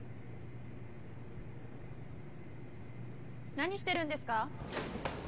何してるんですか？